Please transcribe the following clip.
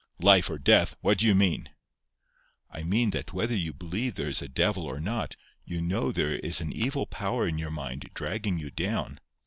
"Life or death! What do you mean?" "I mean that whether you believe there is a devil or not, you KNOW there is an evil power in your mind dragging you down.